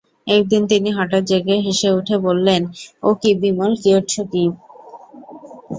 একদিন তিনি হঠাৎ জেগে হেসে উঠে বললেন, ও কি বিমল, করছ কী!